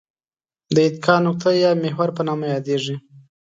د اتکا نقطه یا محور په نامه یادیږي.